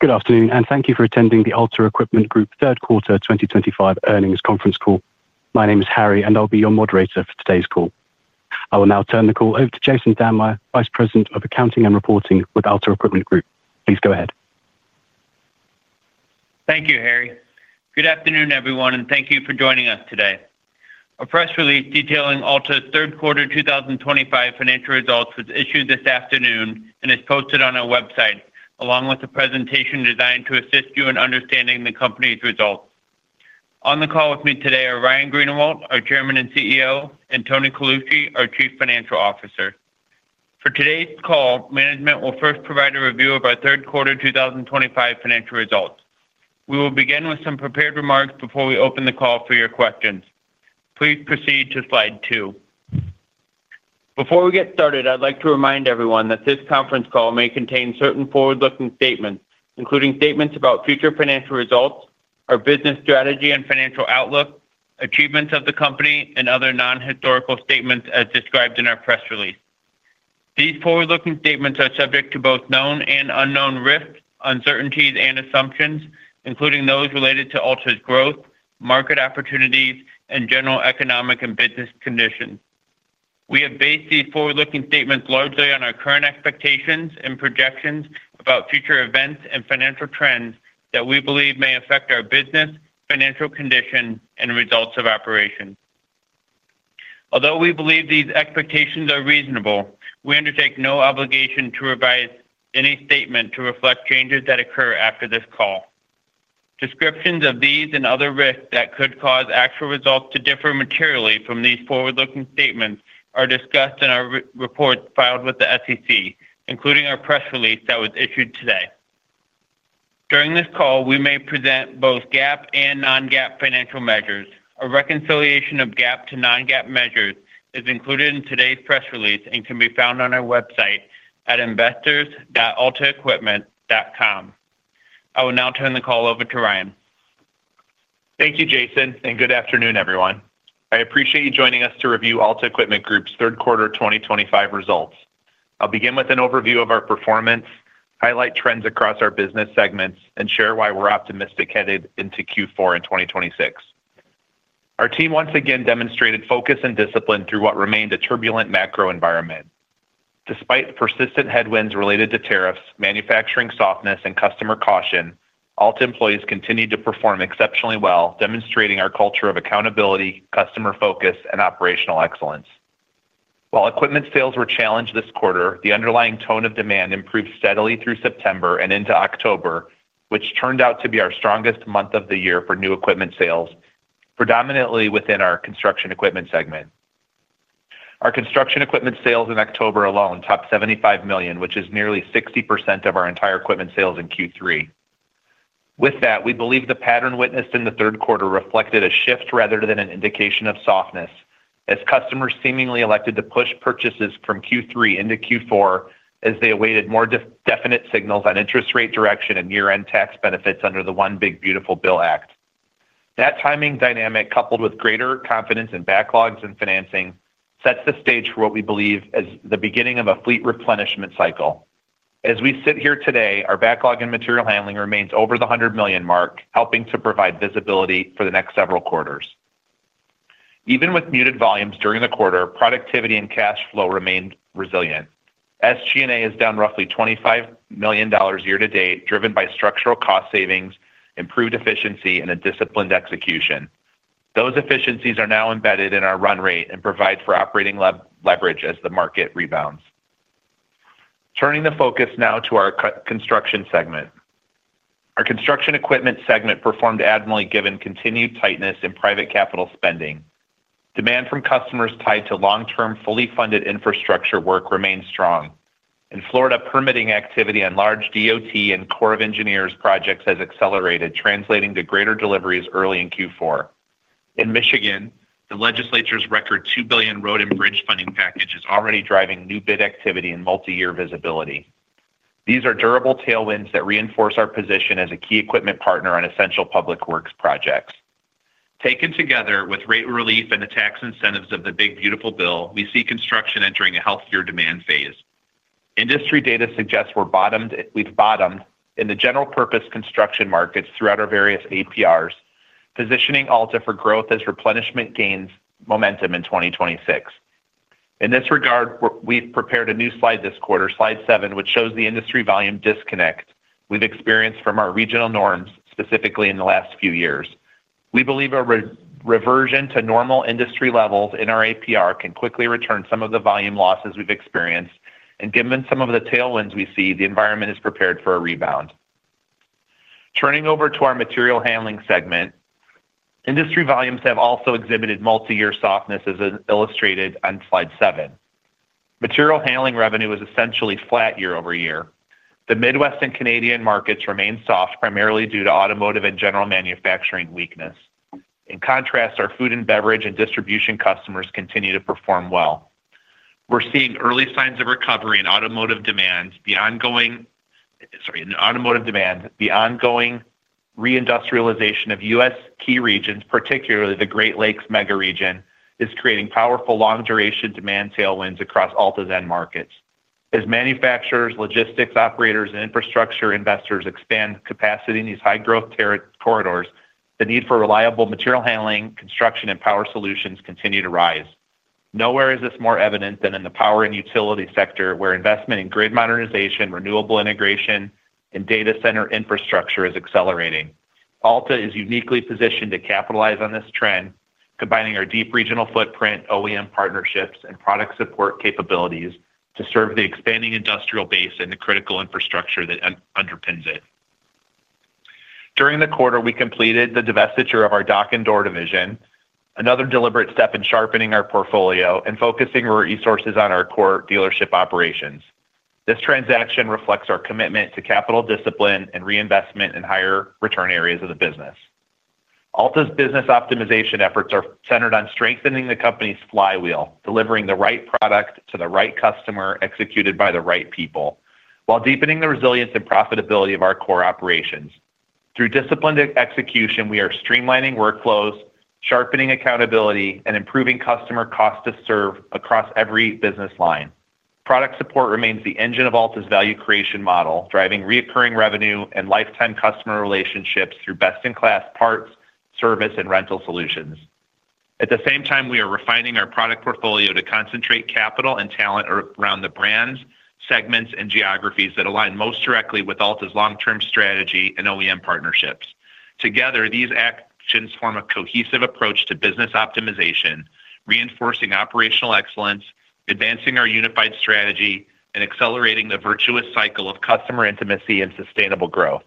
Good afternoon, and thank you for attending the Alta Equipment Group third quarter 2025 earnings conference call. My name is Harry, and I'll be your moderator for today's call. I will now turn the call over to Jason Dammeyer, Vice President of Accounting and Reporting with Alta Equipment Group. Please go ahead. Thank you, Harry. Good afternoon, everyone, and thank you for joining us today. A press release detailing Alta's third quarter 2025 financial results was issued this afternoon and is posted on our website, along with a presentation designed to assist you in understanding the company's results. On the call with me today are Ryan Greenawalt, our Chairman and CEO, and Tony Colucci, our Chief Financial Officer. For today's call, management will first provide a review of our third quarter 2025 financial results. We will begin with some prepared remarks before we open the call for your questions. Please proceed to Slide two. Before we get started, I'd like to remind everyone that this conference call may contain certain forward-looking statements, including statements about future financial results, our business strategy and financial outlook, achievements of the company, and other non-historical statements as described in our press release. These forward-looking statements are subject to both known and unknown risks, uncertainties, and assumptions, including those related to Alta's growth, market opportunities, and general economic and business conditions. We have based these forward-looking statements largely on our current expectations and projections about future events and financial trends that we believe may affect our business, financial condition, and results of operations. Although we believe these expectations are reasonable, we undertake no obligation to revise any statement to reflect changes that occur after this call. Descriptions of these and other risks that could cause actual results to differ materially from these forward-looking statements are discussed in our reports filed with the SEC, including our press release that was issued today. During this call, we may present both GAAP and non-GAAP financial measures. A reconciliation of GAAP to non-GAAP measures is included in today's press release and can be found on our website at investors.altaequipment.com. I will now turn the call over to Ryan. Thank you, Jason, and good afternoon, everyone. I appreciate you joining us to review Alta Equipment Group's third quarter 2025 results. I'll begin with an overview of our performance, highlight trends across our business segments, and share why we're optimistic headed into Q4 in 2026. Our team once again demonstrated focus and discipline through what remained a turbulent macro environment. Despite persistent headwinds related to tariffs, manufacturing softness, and customer caution, Alta employees continued to perform exceptionally well, demonstrating our culture of accountability, customer focus, and operational excellence. While equipment sales were challenged this quarter, the underlying tone of demand improved steadily through September and into October, which turned out to be our strongest month of the year for new equipment sales, predominantly within our construction equipment segment. Our construction equipment sales in October alone topped $75 million, which is nearly 60% of our entire equipment sales in Q3. With that, we believe the pattern witnessed in the third quarter reflected a shift rather than an indication of softness, as customers seemingly elected to push purchases from Q3 into Q4 as they awaited more definite signals on interest rate direction and year-end tax benefits under the One Big Beautiful Bill Act. That timing dynamic, coupled with greater confidence in backlogs and financing, sets the stage for what we believe is the beginning of a fleet replenishment cycle. As we sit here today, our backlog in material handling remains over the $100 million mark, helping to provide visibility for the next several quarters. Even with muted volumes during the quarter, productivity and cash flow remained resilient. SG&A is down roughly $25 million year-to-date, driven by structural cost savings, improved efficiency, and a disciplined execution. Those efficiencies are now embedded in our run rate and provide for operating leverage as the market rebounds. Turning the focus now to our construction segment. Our construction equipment segment performed admirably given continued tightness in private capital spending. Demand from customers tied to long-term fully funded infrastructure work remains strong. In Florida, permitting activity on large DOT and Corps of Engineers projects has accelerated, translating to greater deliveries early in Q4. In Michigan, the legislature's record $2 billion road and bridge funding package is already driving new bid activity and multi-year visibility. These are durable tailwinds that reinforce our position as a key equipment partner on essential public works projects. Taken together with rate relief and the tax incentives of the Big Beautiful Bill, we see construction entering a healthier demand phase. Industry data suggests we've bottomed in the general-purpose construction markets throughout our various APRs, positioning Alta for growth as replenishment gains momentum in 2026. In this regard, we've prepared a new Slide this quarter, Slide seven, which shows the industry volume disconnect we've experienced from our regional norms, specifically in the last few years. We believe a reversion to normal industry levels in our APR can quickly return some of the volume losses we've experienced, and given some of the tailwinds we see, the environment is prepared for a rebound. Turning over to our material handling segment. Industry volumes have also exhibited multi-year softness, as illustrated on Slide seven. Material handling revenue is essentially flat year-over-year. The Midwest and Canadian markets remain soft, primarily due to automotive and general manufacturing weakness. In contrast, our food and beverage and distribution customers continue to perform well. We're seeing early signs of recovery in automotive demand. The ongoing reindustrialization of U.S. key regions, particularly the Great Lakes mega region, is creating powerful long-duration demand tailwinds across Alta's end markets. As manufacturers, logistics operators, and infrastructure investors expand capacity in these high-growth corridors, the need for reliable material handling, construction, and power solutions continues to rise. Nowhere is this more evident than in the power and utility sector, where investment in grid modernization, renewable integration, and data center infrastructure is accelerating. Alta is uniquely positioned to capitalize on this trend, combining our deep regional footprint, OEM partnerships, and product support capabilities to serve the expanding industrial base and the critical infrastructure that underpins it. During the quarter, we completed the divestiture of our dock and door division, another deliberate step in sharpening our portfolio and focusing our resources on our core dealership operations. This transaction reflects our commitment to capital discipline and reinvestment in higher-return areas of the business. Alta's business optimization efforts are centered on strengthening the company's flywheel, delivering the right product to the right customer, executed by the right people, while deepening the resilience and profitability of our core operations. Through disciplined execution, we are streamlining workflows, sharpening accountability, and improving customer cost-to-serve across every business line. Product support remains the engine of Alta's value creation model, driving recurring revenue and lifetime customer relationships through best-in-class parts, service, and rental solutions. At the same time, we are refining our product portfolio to concentrate capital and talent around the brands, segments, and geographies that align most directly with Alta's long-term strategy and OEM partnerships. Together, these actions form a cohesive approach to business optimization, reinforcing operational excellence, advancing our unified strategy, and accelerating the virtuous cycle of customer intimacy and sustainable growth.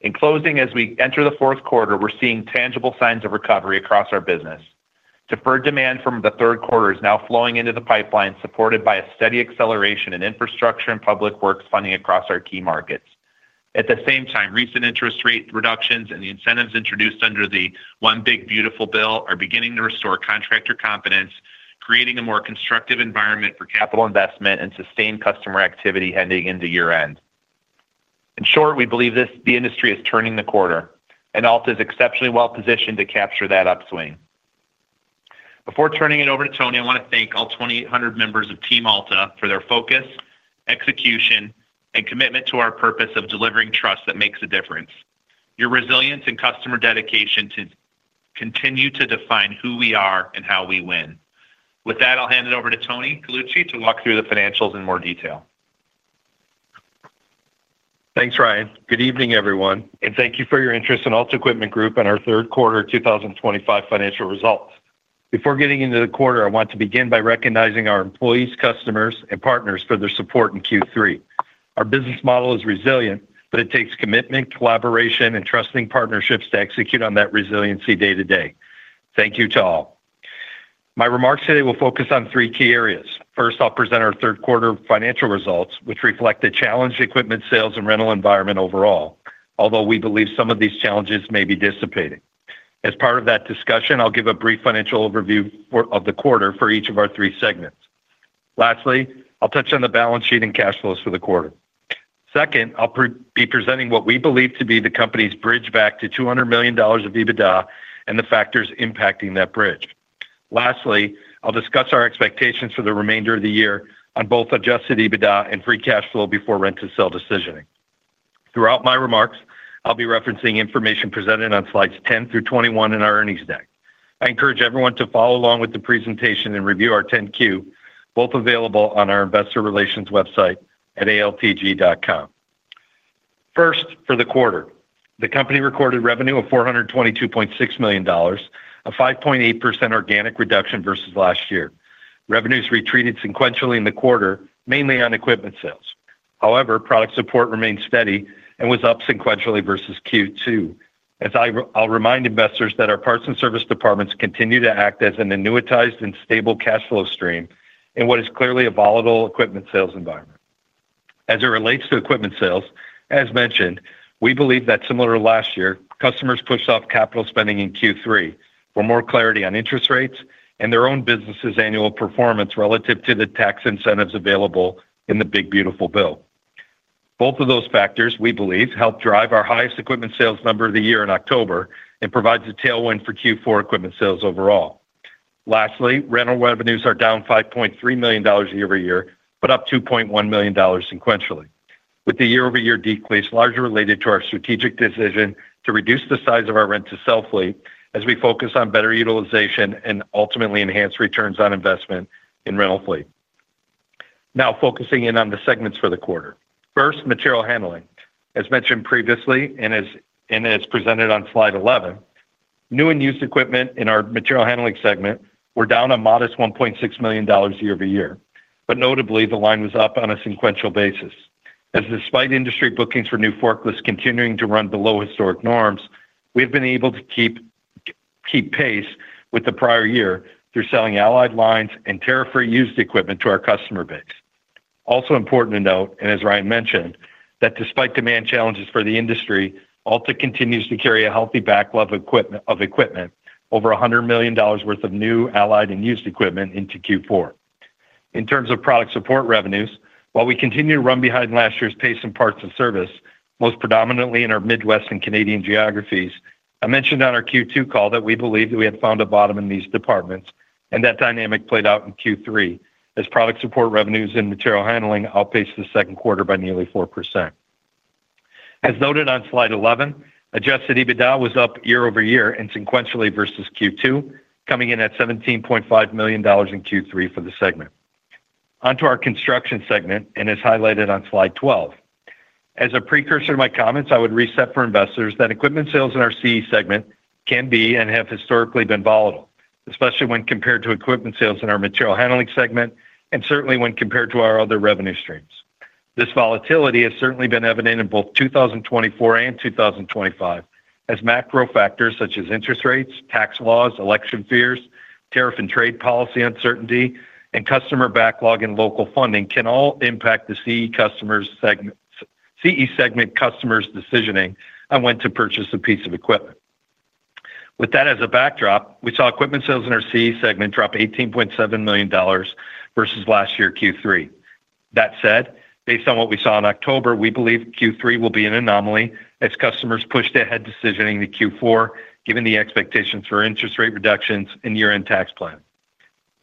In closing, as we enter the fourth quarter, we're seeing tangible signs of recovery across our business. Deferred demand from the third quarter is now flowing into the pipeline, supported by a steady acceleration in infrastructure and public works funding across our key markets. At the same time, recent interest rate reductions and the incentives introduced under the Big Beautiful Bill are beginning to restore contractor confidence, creating a more constructive environment for capital investment and sustained customer activity heading into year-end. In short, we believe the industry is turning the corner, and Alta is exceptionally well-positioned to capture that upswing. Before turning it over to Tony, I want to thank all 2,800 members of Team Alta for their focus, execution, and commitment to our purpose of delivering trust that makes a difference. Your resilience and customer dedication continue to define who we are and how we win. With that, I'll hand it over to Tony Colucci to walk through the financials in more detail. Thanks, Ryan. Good evening, everyone, and thank you for your interest in Alta Equipment Group and our third quarter 2025 financial results. Before getting into the quarter, I want to begin by recognizing our employees, customers, and partners for their support in Q3. Our business model is resilient, but it takes commitment, collaboration, and trusting partnerships to execute on that resiliency day-to-day. Thank you to all. My remarks today will focus on three key areas. First, I'll present our third quarter financial results, which reflect the challenged equipment sales and rental environment overall, although we believe some of these challenges may be dissipating. As part of that discussion, I'll give a brief financial overview of the quarter for each of our three segments. Lastly, I'll touch on the balance sheet and cash flows for the quarter. Second, I'll be presenting what we believe to be the company's bridge back to $200 million of EBITDA and the factors impacting that bridge. Lastly, I'll discuss our expectations for the remainder of the year on both Adjusted EBITDA and free cash flow before rent-to-sale decisioning. Throughout my remarks, I'll be referencing information presented on Slides 10-21 in our earnings deck. I encourage everyone to follow along with the presentation and review our 10-Q, both available on our investor relations website at altg.com. First, for the quarter, the company recorded revenue of $422.6 million, a 5.8% organic reduction versus last year. Revenues retreated sequentially in the quarter, mainly on equipment sales. However, product support remained steady and was up sequentially versus Q2. I'll remind investors that our parts and service departments continue to act as an annuitized and stable cash flow stream in what is clearly a volatile equipment sales environment. As it relates to equipment sales, as mentioned, we believe that, similar to last year, customers pushed off capital spending in Q3 for more clarity on interest rates and their own business's annual performance relative to the tax incentives available in the Big Beautiful Bill. Both of those factors, we believe, helped drive our highest equipment sales number of the year in October and provide the tailwind for Q4 equipment sales overall. Lastly, rental revenues are down $5.3 million year-over-year, but up $2.1 million sequentially. With the year-over-year decrease largely related to our strategic decision to reduce the size of our rent-to-sale fleet as we focus on better utilization and ultimately enhanced returns on investment in rental fleet. Now, focusing in on the segments for the quarter. First, material handling. As mentioned previously and as presented on Slide 11, new and used equipment in our material handling segment were down a modest $1.6 million year-over-year, but notably, the line was up on a sequential basis. Despite industry bookings for new forklifts continuing to run below historic norms, we've been able to keep pace with the prior year through selling allied lines and tariff-free used equipment to our customer base. Also important to note, and as Ryan mentioned, that despite demand challenges for the industry, Alta continues to carry a healthy backlog of equipment, over $100 million worth of new, allied, and used equipment into Q4. In terms of product support revenues, while we continue to run behind last year's pace in parts and service, most predominantly in our Midwest and Canadian geographies, I mentioned on our Q2 call that we believe that we had found a bottom in these departments and that dynamic played out in Q3, as product support revenues and material handling outpaced the second quarter by nearly 4%. As noted on Slide 11, Adjusted EBITDA was up year-over-year and sequentially versus Q2, coming in at $17.5 million in Q3 for the segment. Onto our construction segment, and as highlighted on Slide 12. As a precursor to my comments, I would reset for investors that equipment sales in our CE segment can be and have historically been volatile, especially when compared to equipment sales in our material handling segment and certainly when compared to our other revenue streams. This volatility has certainly been evident in both 2024 and 2025, as macro factors such as interest rates, tax laws, election fears, tariff and trade policy uncertainty, and customer backlog and local funding can all impact the CE segment. Customers' decisioning on when to purchase a piece of equipment. With that as a backdrop, we saw equipment sales in our CE segment drop $18.7 million versus last year Q3. That said, based on what we saw in October, we believe Q3 will be an anomaly as customers push to ahead decisioning to Q4, given the expectations for interest rate reductions and year-end tax plan.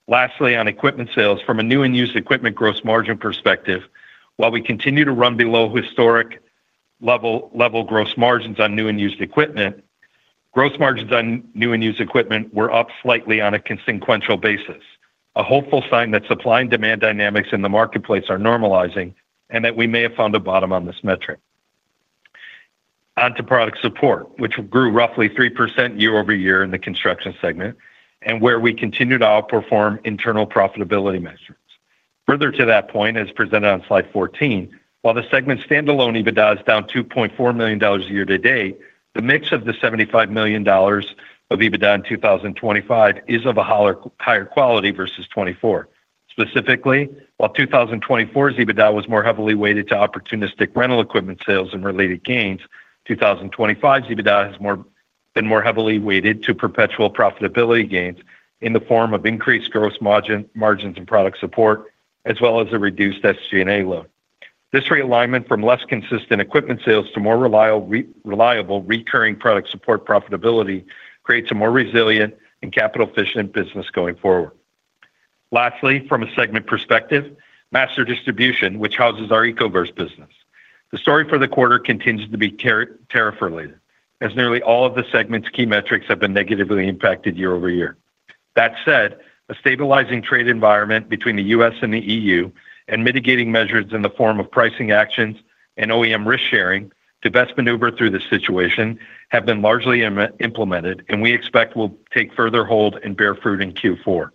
Lastly, on equipment sales, from a new and used equipment gross margin perspective, while we continue to run below historic level gross margins on new and used equipment, gross margins on new and used equipment were up slightly on a sequential basis, a hopeful sign that supply and demand dynamics in the marketplace are normalizing and that we may have found a bottom on this metric. Onto product support, which grew roughly 3% year-over-year in the construction segment and where we continue to outperform internal profitability measures. Further to that point, as presented on Slide 14, while the segment's standalone EBITDA is down $2.4 million year-to-date, the mix of the $75 million of EBITDA in 2025 is of a higher quality versus 2024. Specifically, while 2024's EBITDA was more heavily weighted to opportunistic rental equipment sales and related gains, 2025's EBITDA has been more heavily weighted to perpetual profitability gains in the form of increased gross margins and product support, as well as a reduced SG&A load. This realignment from less consistent equipment sales to more reliable recurring product support profitability creates a more resilient and capital-efficient business going forward. Lastly, from a segment perspective, master distribution, which houses our EcoVerse business. The story for the quarter continues to be tariff-related, as nearly all of the segment's key metrics have been negatively impacted year-over-year. That said, a stabilizing trade environment between the U.S. and the E.U. and mitigating measures in the form of pricing actions and OEM risk-sharing to best maneuver through this situation have been largely implemented, and we expect will take further hold and bear fruit in Q4.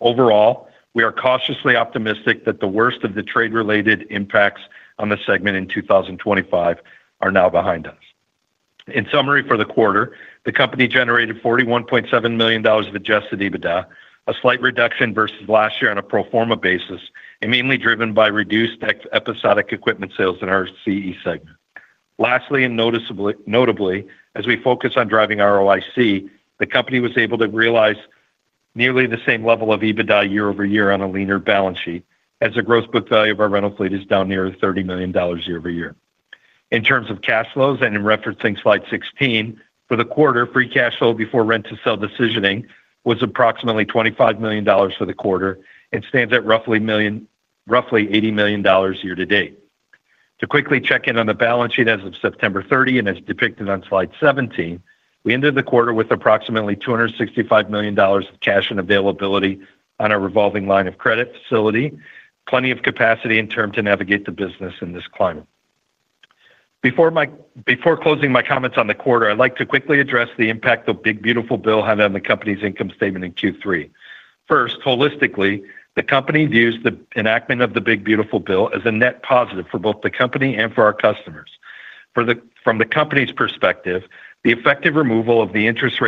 Overall, we are cautiously optimistic that the worst of the trade-related impacts on the segment in 2025 are now behind us. In summary, for the quarter, the company generated $41.7 million of Adjusted EBITDA, a slight reduction versus last year on a pro forma basis, and mainly driven by reduced episodic equipment sales in our CE segment. Lastly, and notably, as we focus on driving ROIC, the company was able to realize nearly the same level of EBITDA year-over-year on a leaner balance sheet as the gross book value of our rental fleet is down near $30 million year-over-year. In terms of cash flows and in referencing Slide 16, for the quarter, free cash flow before rent-to-sale decisioning was approximately $25 million for the quarter and stands at roughly $80 million year-to-date. To quickly check in on the balance sheet as of September 30 and as depicted on Slide 17, we ended the quarter with approximately $265 million of cash and availability on our revolving line of credit facility, plenty of capacity in terms to navigate the business in this climate. Before closing my comments on the quarter, I'd like to quickly address the impact the Big Beautiful Bill had on the company's income statement in Q3. First, holistically, the company views the enactment of the Big Beautiful Bill as a net positive for both the company and for our customers. From the company's perspective, the effective removal of the interest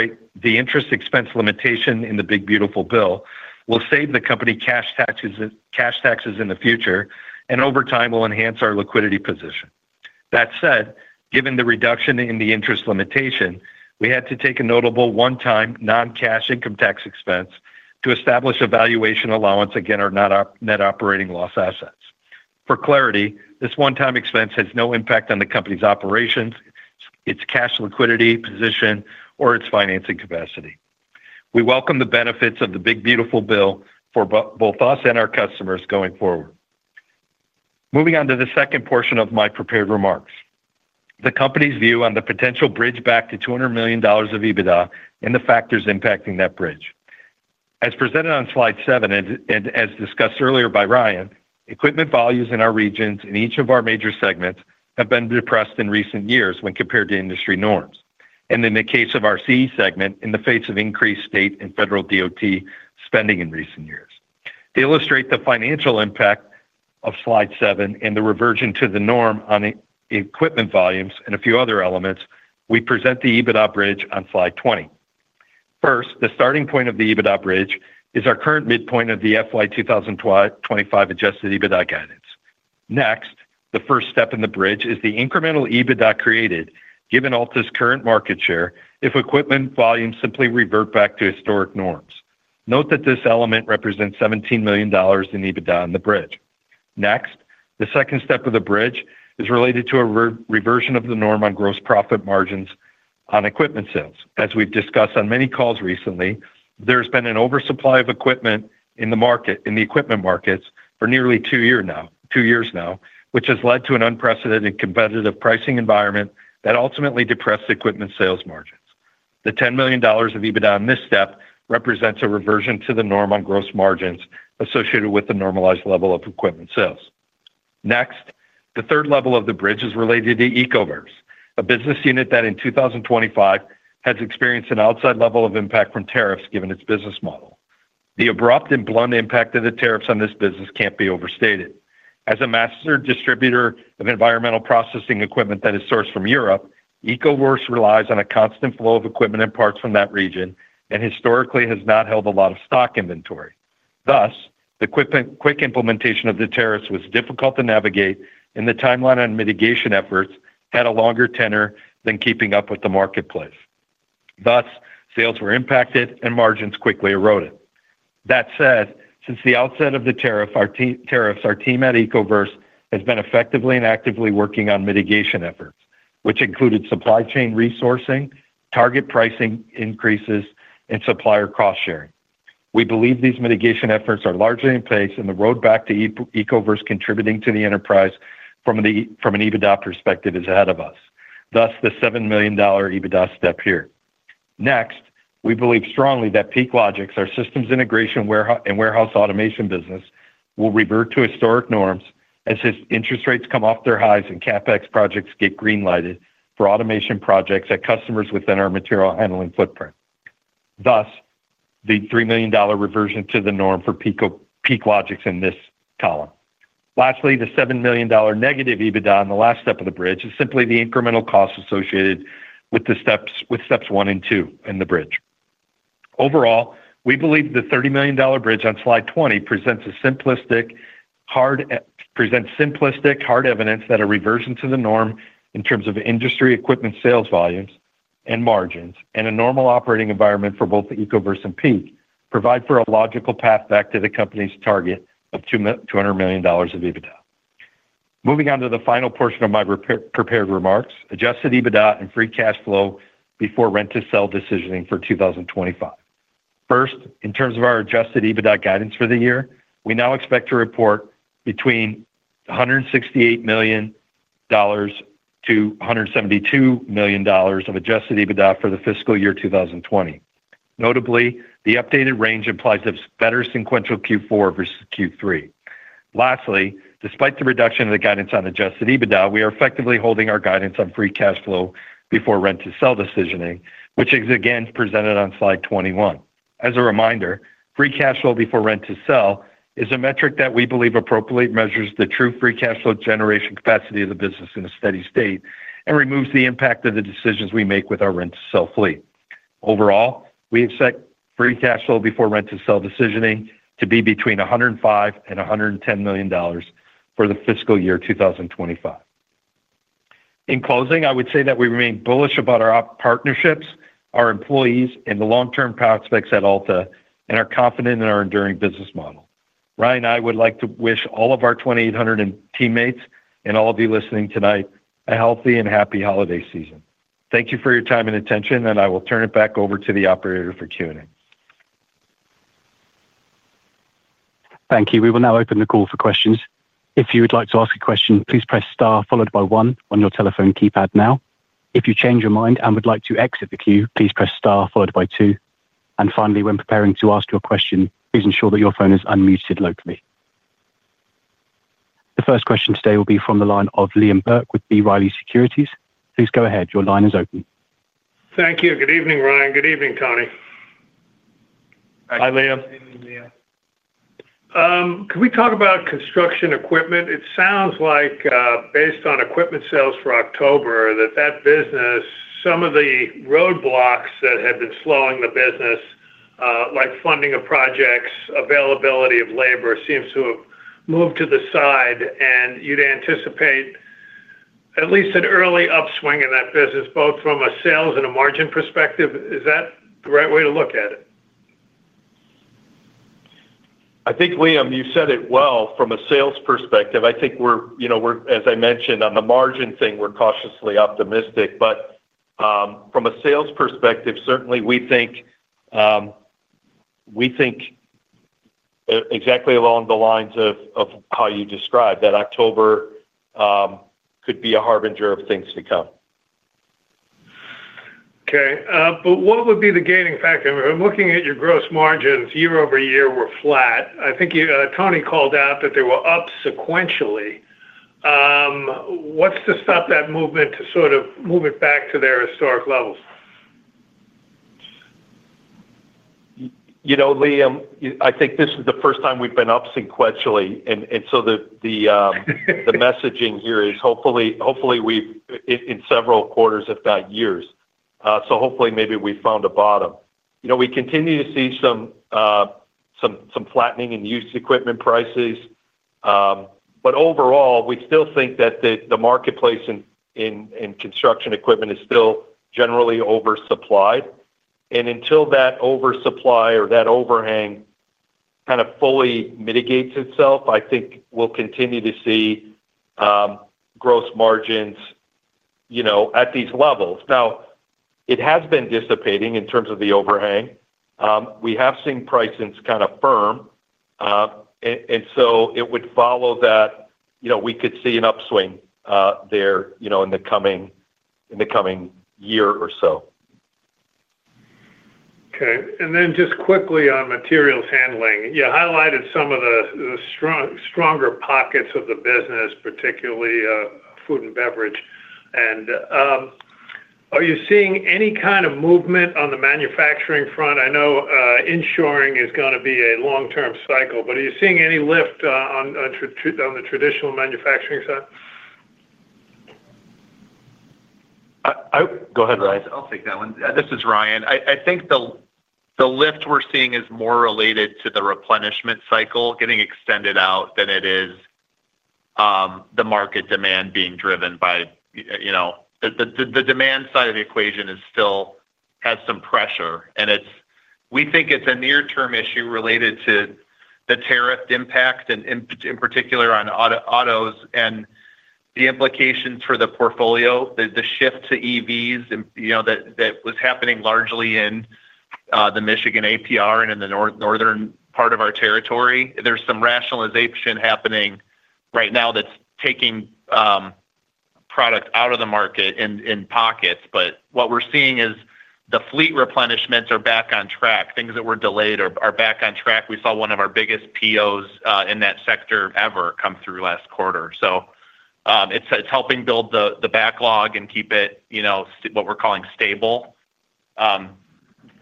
expense limitation in the Big Beautiful Bill will save the company cash taxes in the future and, over time, will enhance our liquidity position. That said, given the reduction in the interest limitation, we had to take a notable one-time non-cash income tax expense to establish a valuation allowance against our net operating loss assets. For clarity, this one-time expense has no impact on the company's operations, its cash liquidity position, or its financing capacity. We welcome the benefits of the Big Beautiful Bill for both us and our customers going forward. Moving on to the second portion of my prepared remarks, the company's view on the potential bridge back to $200 million of EBITDA and the factors impacting that bridge. As presented on Slide seven and as discussed earlier by Ryan, equipment values in our regions in each of our major segments have been depressed in recent years when compared to industry norms. In the case of our CE segment, in the face of increased state and federal DOT spending in recent years. To illustrate the financial impact of Slide seven and the reversion to the norm on equipment volumes and a few other elements, we present the EBITDA bridge on Slide 20. First, the starting point of the EBITDA bridge is our current midpoint of the FY2025 Adjusted EBITDA guidance. Next, the first step in the bridge is the incremental EBITDA created, given Alta's current market share, if equipment volumes simply revert back to historic norms. Note that this element represents $17 million in EBITDA on the bridge. Next, the second step of the bridge is related to a reversion of the norm on gross profit margins on equipment sales. As we've discussed on many calls recently, there has been an oversupply of equipment in the market, in the equipment markets, for nearly two years now, which has led to an unprecedented competitive pricing environment that ultimately depressed equipment sales margins. The $10 million of EBITDA on this step represents a reversion to the norm on gross margins associated with the normalized level of equipment sales. Next, the third level of the bridge is related to EcoVerse, a business unit that in 2025 has experienced an outside level of impact from tariffs given its business model. The abrupt and blunt impact of the tariffs on this business can't be overstated. As a master distributor of environmental processing equipment that is sourced from Europe, EcoVerse relies on a constant flow of equipment and parts from that region and historically has not held a lot of stock inventory. Thus, the quick implementation of the tariffs was difficult to navigate, and the timeline on mitigation efforts had a longer tenor than keeping up with the marketplace. Thus, sales were impacted and margins quickly eroded. That said, since the outset of the tariffs, our team at EcoVerse has been effectively and actively working on mitigation efforts, which included supply chain resourcing, target pricing increases, and supplier cost sharing. We believe these mitigation efforts are largely in place, and the road back to EcoVerse contributing to the enterprise from an EBITDA perspective is ahead of us. Thus, the $7 million EBITDA step here. Next, we believe strongly that Peak Logics, our systems integration and warehouse automation business, will revert to historic norms as interest rates come off their highs and CapEx projects get greenlighted for automation projects at customers within our material handling footprint. Thus, the $3 million reversion to the norm for Peak Logics in this column. Lastly, the $7 million negative EBITDA on the last step of the bridge is simply the incremental cost associated with steps one and two in the bridge. Overall, we believe the $30 million bridge on slide 20 presents simplistic, hard evidence that a reversion to the norm in terms of industry equipment sales volumes and margins and a normal operating environment for both EcoVerse and Peak provide for a logical path back to the company's target of $200 million of EBITDA. Moving on to the final portion of my prepared remarks, Adjusted EBITDA and free cash flow before rent-to-sale decisioning for 2025. First, in terms of our Adjusted EBITDA guidance for the year, we now expect to report between $168 million-$172 million of Adjusted EBITDA for the fiscal year 2025. Notably, the updated range implies a better sequential Q4 versus Q3. Lastly, despite the reduction of the guidance on Adjusted EBITDA, we are effectively holding our guidance on free cash flow before rent-to-sale decisioning, which is again presented on Slide 21. As a reminder, free cash flow before rent-to-sale is a metric that we believe appropriately measures the true free cash flow generation capacity of the business in a steady state and removes the impact of the decisions we make with our rent-to-sale fleet. Overall, we have set free cash flow before rent-to-sale decisioning to be between $105 million and $110 million for the fiscal year 2025. In closing, I would say that we remain bullish about our partnerships, our employees, and the long-term prospects at Alta, and are confident in our enduring business model. Ryan and I would like to wish all of our 2,800 teammates and all of you listening tonight a healthy and happy holiday season. Thank you for your time and attention, and I will turn it back over to the operator for Q&A. Thank you. We will now open the call for questions. If you would like to ask a question, please press star followed by one on your telephone keypad now. If you change your mind and would like to exit the queue, please press star followed by two. Finally, when preparing to ask your question, please ensure that your phone is unmuted locally. The first question today will be from the line of Liam Burke with B. Riley Securities. Please go ahead. Your line is open. Thank you. Good evening, Ryan. Good evening, Tony. Hi, Liam. Good evening, Liam. Could we talk about construction equipment? It sounds like, based on equipment sales for October, that that business, some of the roadblocks that had been slowing the business, like funding of projects, availability of labor, seems to have moved to the side. You'd anticipate at least an early upswing in that business, both from a sales and a margin perspective. Is that the right way to look at it? I think, Liam, you said it well. From a sales perspective, I think we're, as I mentioned, on the margin thing, we're cautiously optimistic. From a sales perspective, certainly we think exactly along the lines of how you described, that October could be a harbinger of things to come. Okay. What would be the gaining factor? I'm looking at your gross margins. Year-over-year, we're flat. I think Tony called out that they were up sequentially. What's to stop that movement to sort of move it back to their historic levels? Liam, I think this is the first time we've been up sequentially. The messaging here is hopefully in several quarters, if not years. Hopefully, maybe we found a bottom. We continue to see some flattening in used equipment prices. Overall, we still think that the marketplace in construction equipment is still generally oversupplied. Until that oversupply or that overhang kind of fully mitigates itself, I think we'll continue to see gross margins at these levels. It has been dissipating in terms of the overhang. We have seen pricing kind of firm, and it would follow that we could see an upswing there in the coming year or so. Okay. And then just quickly on material handling, you highlighted some of the stronger pockets of the business, particularly food and beverage. Are you seeing any kind of movement on the manufacturing front? I know insuring is going to be a long-term cycle, but are you seeing any lift on the traditional manufacturing side? Go ahead, Ryan. I'll take that one. This is Ryan. I think the lift we're seeing is more related to the replenishment cycle getting extended out than it is. The market demand being driven by. The demand side of the equation still has some pressure. We think it's a near-term issue related to the tariff impact, in particular on autos and the implications for the portfolio, the shift to EVs that was happening largely in the Michigan APR and in the northern part of our territory. There's some rationalization happening right now that's taking products out of the market in pockets. What we're seeing is the fleet replenishments are back on track. Things that were delayed are back on track. We saw one of our biggest POs in that sector ever come through last quarter. It's helping build the backlog and keep it what we're calling stable.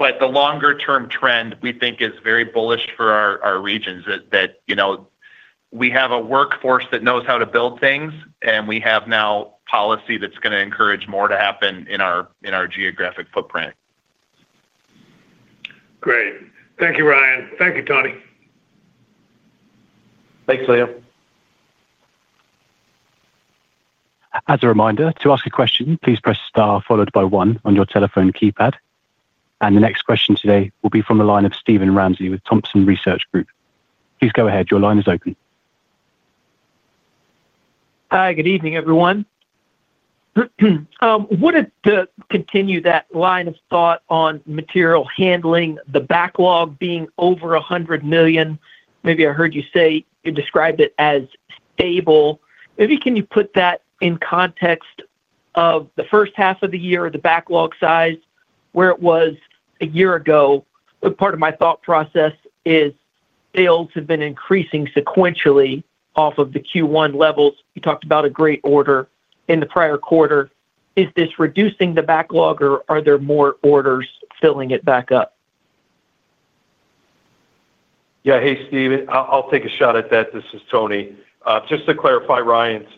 The longer-term trend, we think, is very bullish for our regions. We have a workforce that knows how to build things, and we have now policy that's going to encourage more to happen in our geographic footprint. Great. Thank you, Ryan. Thank you, Tony. Thanks, Liam. As a reminder, to ask a question, please press star followed by one on your telephone keypad. The next question today will be from the line of Steven Ramsey with Thompson Research Group. Please go ahead. Your line is open. Hi, good evening, everyone. I wanted to continue that line of thought on material handling, the backlog being over $100 million. Maybe I heard you say you described it as stable. Maybe can you put that in context of the first half of the year, the backlog size, where it was a year ago? Part of my thought process is sales have been increasing sequentially off of the Q1 levels. You talked about a great order in the prior quarter. Is this reducing the backlog, or are there more orders filling it back up? Yeah. Hey, Steven, I'll take a shot at that. This is Tony. Just to clarify Ryan's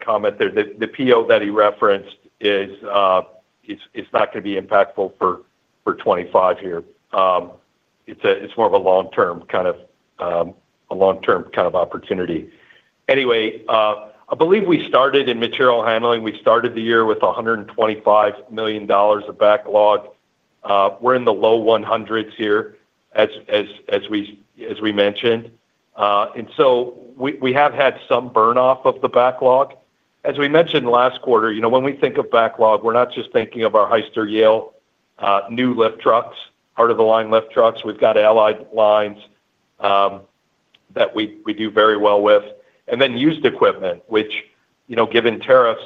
comment there, the PO that he referenced is not going to be impactful for 2025 here. It's more of a long-term kind of opportunity. Anyway, I believe we started in material handling. We started the year with $125 million of backlog. We're in the low 100s here, as we mentioned. And so we have had some burnoff of the backlog. As we mentioned last quarter, when we think of backlog, we're not just thinking of our Hyster-Yale new lift trucks, out-of-the-line lift trucks. We've got allied lines that we do very well with, and then used equipment, which, given tariffs,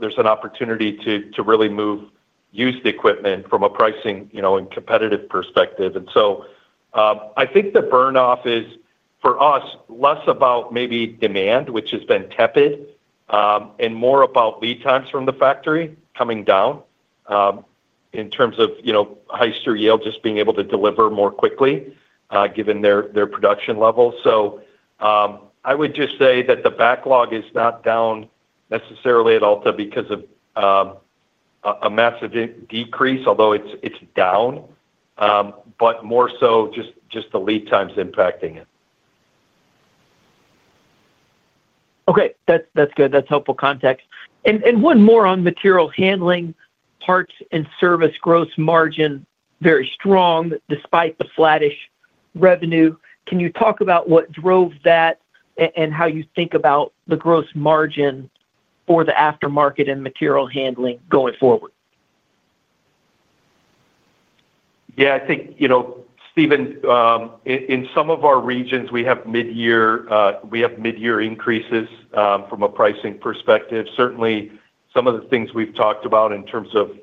there's an opportunity to really move used equipment from a pricing and competitive perspective. And so I think the burnoff is, for us, less about maybe demand, which has been tepid. More about lead times from the factory coming down. In terms of Hyster-Yale just being able to deliver more quickly, given their production levels. I would just say that the backlog is not down necessarily at Alta because of a massive decrease, although it is down, but more so just the lead times impacting it. Okay. That's good. That's helpful context. One more on material handling, parts and service gross margin very strong despite the slattish revenue. Can you talk about what drove that and how you think about the gross margin for the aftermarket and material handling going forward? Yeah. I think, Steven, in some of our regions, we have mid-year increases from a pricing perspective. Certainly, some of the things we've talked about in terms of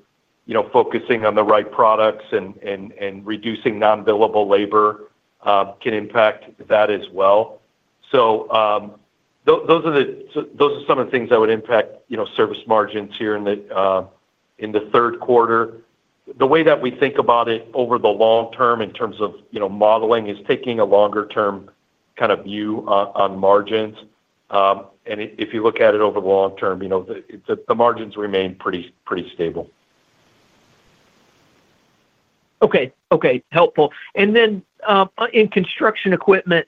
focusing on the right products and reducing non-billable labor can impact that as well. Those are some of the things that would impact service margins here in the third quarter. The way that we think about it over the long term in terms of modeling is taking a longer-term kind of view on margins. If you look at it over the long term, the margins remain pretty stable. Okay. Okay. Helpful. In construction equipment,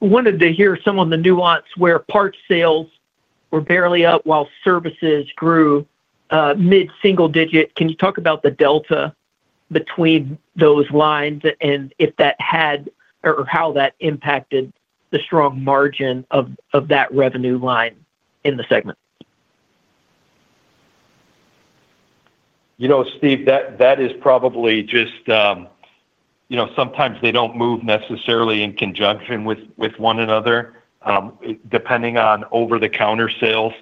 wanted to hear some of the nuance where parts sales were barely up while services grew mid-single digit. Can you talk about the delta between those lines and if that had, or how that impacted the strong margin of that revenue line in the segment? Steve, that is probably just. Sometimes they do not move necessarily in conjunction with one another, depending on over-the-counter sales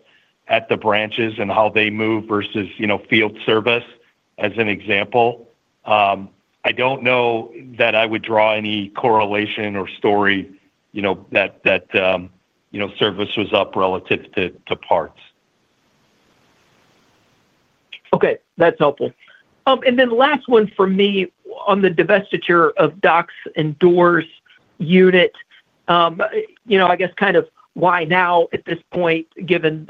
at the branches and how they move versus field service, as an example. I do not know that I would draw any correlation or story that. Service was up relative to parts. Okay. That's helpful. Last one for me on the divestiture of docks and doors unit. I guess kind of why now at this point, given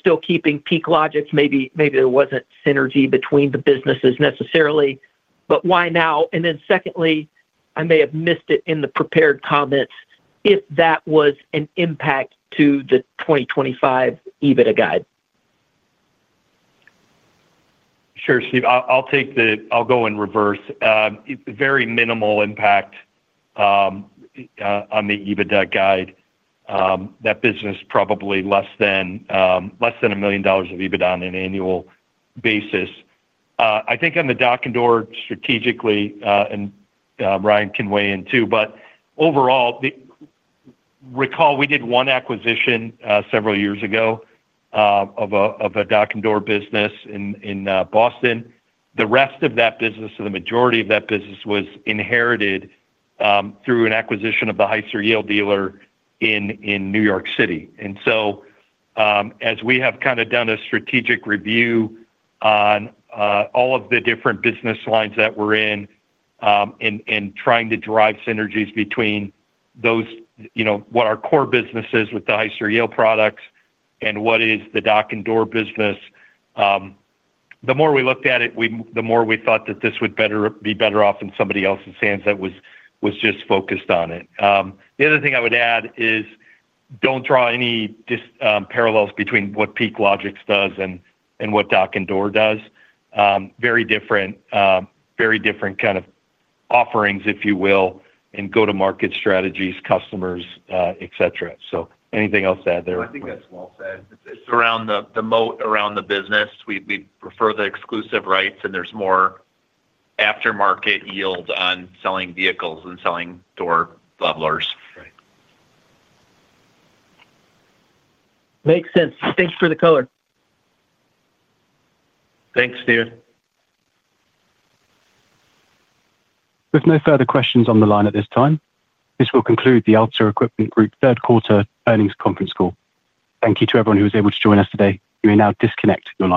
still keeping Peak Logics, maybe there wasn't synergy between the businesses necessarily. Why now? Secondly, I may have missed it in the prepared comments, if that was an impact to the 2025 EBITDA guide. Sure, Steve. I'll go in reverse. Very minimal impact on the EBITDA guide. That business probably less than $1 million of EBITDA on an annual basis. I think on the dock and door strategically, and Ryan can weigh in too. Overall, recall we did one acquisition several years ago of a dock and door business in Boston. The rest of that business, the majority of that business, was inherited through an acquisition of the Hyster-Yale dealer in New York City. As we have kind of done a strategic review on all of the different business lines that we're in and trying to drive synergies between what our core business is with the Hyster-Yale products and what is the dock and door business. The more we looked at it, the more we thought that this would be better off in somebody else's hands that was just focused on it. The other thing I would add is, don't draw any parallels between what Peak Logics does and what dock and door does. Very different kind of offerings, if you will, and go-to-market strategies, customers, etc. Anything else to add there? I think that's well said. It's around the moat around the business. We prefer the exclusive rights, and there's more. Aftermarket yield on selling vehicles and selling door bubblers. Makes sense. Thanks for the color. Thanks, Steven. There's no further questions on the line at this time. This will conclude the Alta Equipment Group third quarter earnings conference call. Thank you to everyone who was able to join us today. You may now disconnect your line.